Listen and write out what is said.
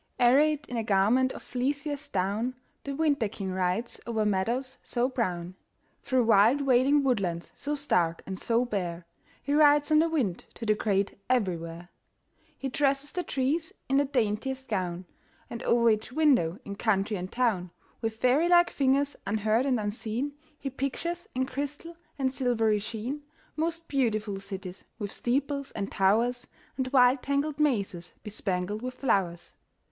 Arrayed in a garment of fleeciest down, The Winter king rides over meadows so brown; Through wild wailing woodlands so stark and so bare, He rides on the wind to the great everywhere. He dresses the trees in the daintiest gown; And over each window in country and town, With fairy like fingers, unheard and unseen, He pictures, in crystal and silvery sheen, Most beautiful cities with steeples and towers, And wild tangled mazes bespangled with flowers.